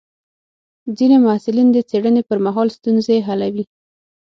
ځینې محصلین د څېړنې پر مهال ستونزې حلوي.